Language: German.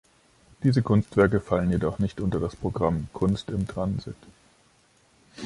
Diese Kunstwerke fallen jedoch nicht unter das Programm „Kunst im Transit“.